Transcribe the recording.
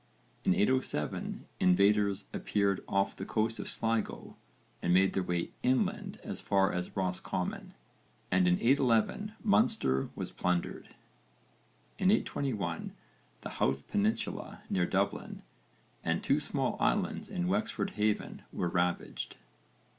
In 807 invaders appeared off the coast of Sligo and made their way inland as far as Roscommon, and in 811 Munster was plundered. In 821 the Howth peninsula near Dublin and two small islands in Wexford Haven were ravaged.